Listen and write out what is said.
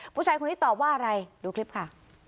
ผู้ชายคนนี้ตอบว่าอะไรดูคลิปค่ะ